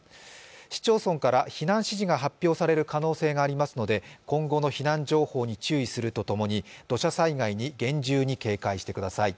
市町村から避難指示が発表される可能性がありますので、今後の避難情報に注意すると共に、土砂災害に厳重に警戒してください。